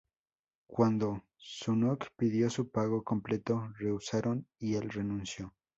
Cuando Zanuck pidió su pago completo, rehusaron y el renunció.